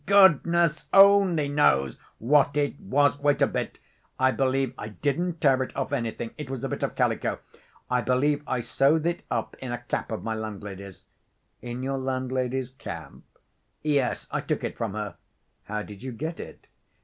"Goodness only knows what it was. Wait a bit.... I believe I didn't tear it off anything. It was a bit of calico.... I believe I sewed it up in a cap of my landlady's." "In your landlady's cap?" "Yes. I took it from her." "How did you get it?"